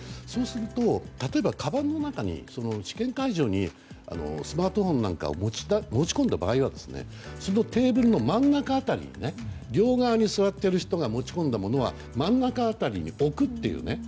そうすると、例えばかばんの中に試験会場にスマートフォンなんかを持ち込んだ場合はそのテーブルの真ん中辺りに両側に座っている人が持ち込んだものは真ん中辺りに置くという。